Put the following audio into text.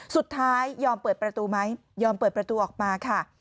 สุดท้ายยอมเปิดประตูออกมาค่ะ